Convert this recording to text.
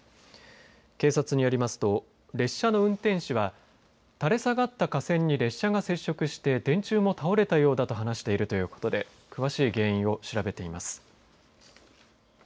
警察によりますと列車の運転手は垂れ下がった架線に列車が接触して電柱も倒れたようだと話しているということで詳しい原因を調べています。